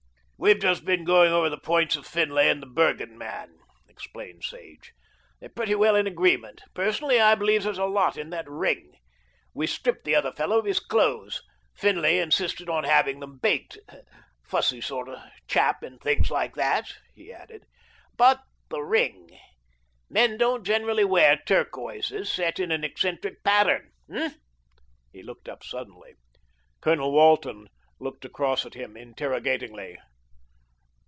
"We've just been going over the points of Finlay and the Bergen man," explained Sage. "They're pretty well in agreement. Personally I believe there's a lot in that ring. We stripped the other fellow of his clothes, Finlay insisted on having them baked. Fussy sort of chap in things like that," he added, "but that ring. Men don't generally wear turquoises set in an eccentric pattern. Ha!" He looked up suddenly. Colonel Walton looked across at him interrogatingly.